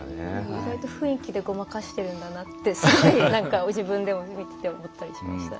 意外と雰囲気でごまかしているんだなってすごい何か自分でも見てて思ったりしましたね。